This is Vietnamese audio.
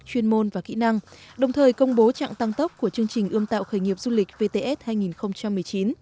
chuyên môn và kỹ năng đồng thời công bố trạng tăng tốc của chương trình ươm tạo khởi nghiệp du lịch vts hai nghìn một mươi chín